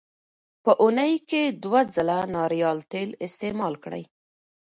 په اونۍ کې دوه ځله ناریال تېل استعمال کړئ.